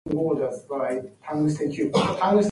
It was designed to offer ultra-fine grain.